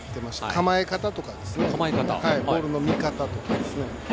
構え方とかボールの見方ですね。